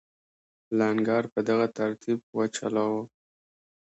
لنګر په دغه ترتیب وچلاوه.